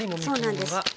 そうなんです。